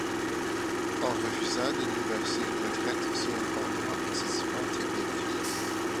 On refusa de lui verser une retraite sur des fondements excessivement techniques.